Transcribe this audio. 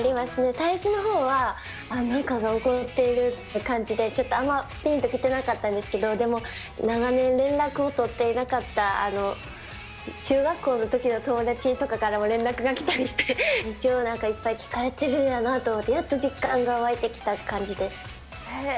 最初のほうは、何かが起こっているという感じで、ちょっとあんまぴんときてなかったんですけど、でも長年連絡を取っていなかった中学校のときの友達とかからも連絡が来たりして、一応、いっぱい聴かれてるんやなと思って、やっと実感が湧いてきた感じです。